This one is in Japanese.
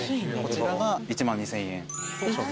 こちらが１万２，０００円。